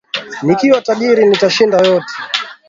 Nikiwa tajiri nitashinda yote.